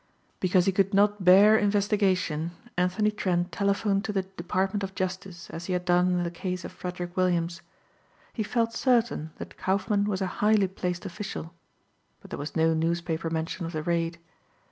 Because he could not bear investigation, Anthony Trent telephoned to the Department of Justice as he had done in the case of Frederick Williams. He felt certain that Kaufmann was a highly placed official. But there was no newspaper mention of the raid.